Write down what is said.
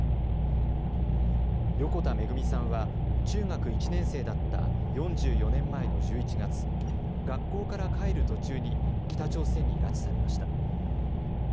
横田めぐみさんは中学１年生だった４４年前の１１月、学校から帰る途中に北朝鮮に拉致されました。